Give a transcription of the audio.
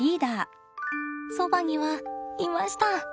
そばにはいました。